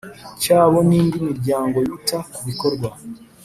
Cyabo n indi miryango yita ku bikorwa